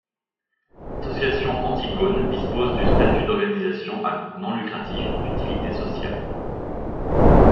L'association Antigone dispose du statut d'organisation à but non lucratif d'utilité sociale.